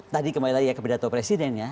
tadi kembali lagi ya ke pidato presiden ya